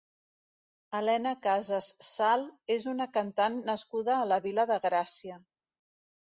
Helena Casas Sal és una cantant nascuda a la Vila de Gràcia.